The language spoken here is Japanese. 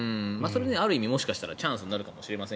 ある意味もしかしたらチャンスになるかもしれません。